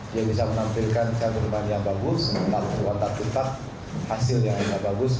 dia bisa menampilkan satu teman yang bagus mantap mantap hasil yang bagus